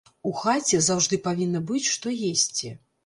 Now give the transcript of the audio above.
У хаце заўжды павінна быць што есці.